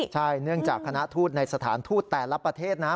ใช่เนื่องจากคณะทูตในสถานทูตแต่ละประเทศนะ